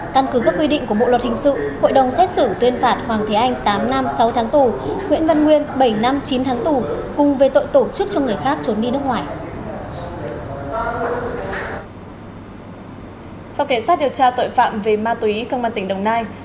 căn cứ các quy định của bộ luật hình sự hội đồng xét xử tuyên phạt hoàng thế anh tám năm sáu tháng tù nguyễn văn nguyên bảy năm chín tháng tù cùng về tội tổ chức cho người khác trốn đi nước ngoài